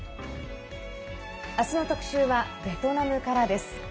明日の特集は、ベトナムからです。